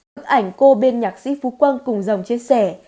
bức ảnh cô bên nhạc sĩ phú quang cùng dòng chia sẻ